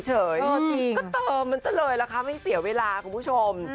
เติมมันซะเลยล่ะคะไม่เสียเวลาคุณผู้ชม